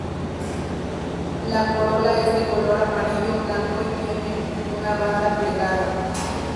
La corola es de color amarillo-blanco y tiene una banda plegada.